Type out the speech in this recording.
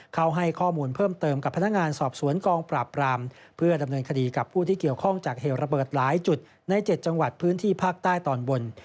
ให้ข้อมูลเพิ่มเติมกับพนักงานสอบสวนกองปราบรามเพื่อดำเนินคดีกับผู้ที่เกี่ยวข้องจากเหตุระเบิดหลายจุดใน๗จังหวัดพื้นที่ภาคใต้ตอนบน